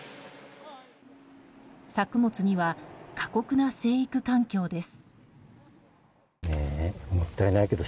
作物には過酷な生育環境です。